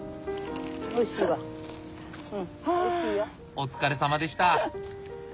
お疲れさまでした。